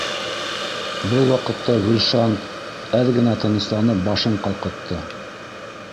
Был ваҡытта Гөлшан, әҙ генә тынысланып, башын ҡалҡытты